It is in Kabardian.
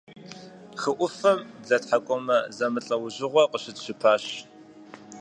Хы ӏуфэм блэтхьэкӏумэ зэмылӏэужьыгъуэ къыщытщыпащ.